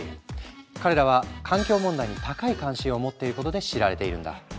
彼らは環境問題に高い関心を持っていることで知られているんだ。